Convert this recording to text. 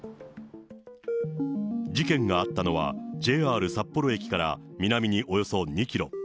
事件があったのは、ＪＲ札幌駅から南におよそ２キロ。